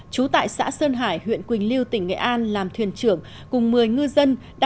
trú tại xã sơn hải huyện quỳnh lưu tỉnh sơn hà